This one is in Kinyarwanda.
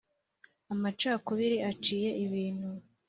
Amacakubiri aciye ibintu;